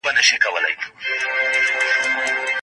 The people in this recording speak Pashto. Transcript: که زده کړه دوامداره وي، شاتګ نه رامنځته کيږي.